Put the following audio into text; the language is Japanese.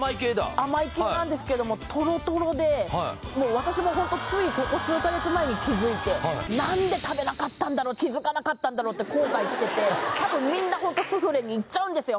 甘い系なんですけどもとろとろでもう私もホントついここ数カ月前に気付いて気付かなかったんだろうって後悔しててたぶんみんなホントスフレに行っちゃうんですよ